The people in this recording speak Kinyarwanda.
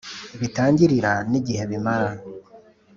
bitangirira n igihe bimara